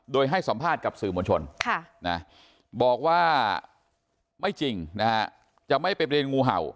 โดยให้สัมภาษณ์กับสื่อมวลชนบอกว่าไม่จริงนะฮะจะไม่ไปเรียนงูเห่า